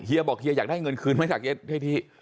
บอกเฮียอยากได้เงินคืนไหมจากที่